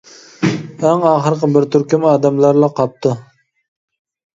ئەڭ ئاخىرقى بىر تۈركۈم ئادەملەرلا قاپتۇ.